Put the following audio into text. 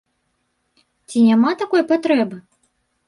Ці няма такой патрэбы?